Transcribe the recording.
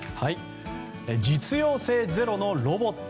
実用性ゼロのロボット。